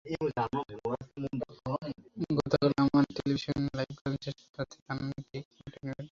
গতকাল আমার টেলিভিশনের লাইভ গান শেষ করে রাতে গানটিতে কণ্ঠ দিই।